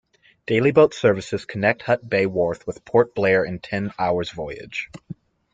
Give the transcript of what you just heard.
Daily boat services connect Hut Bay wharf with Port Blair in ten hours voyage.